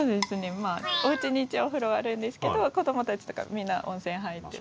まあおうちに一応お風呂はあるんですけど子どもたちとかみんな温泉入ってる。